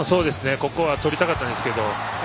ここはとりたかったんですけど。